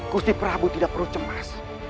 kusti prabu tidak perlu cemas